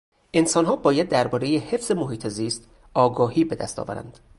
انسانها باید دربارهی حفظ محیط زیست آگاهی به دست آورند.